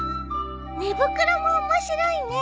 寝袋も面白いね。